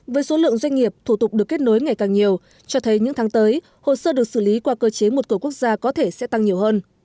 với số lượng doanh nghiệp thủ tục được kết nối ngày càng nhiều cho thấy những tháng tới hồ sơ được xử lý qua cơ chế một cửa quốc gia có thể sẽ tăng nhiều hơn